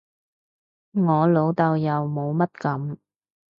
我老豆又冇乜噉